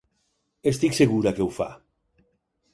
Estic segura que ho fa.